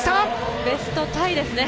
ベストタイですね。